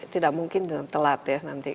tidak mungkin telat ya nanti